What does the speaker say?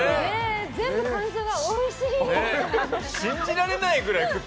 全部感想がおいしいって。